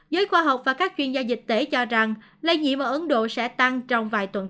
giới khoa học và các chuyên gia dịch tễ cho rằng lây nhiễm ở ấn độ sẽ tăng trong vài tuần tới